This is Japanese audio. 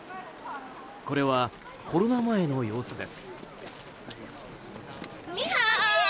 これはコロナ前の様子です。